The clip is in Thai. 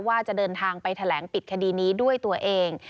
ว่าจะเดินทางไปแถลงปิดคดีนี้ด้วยตัวเอง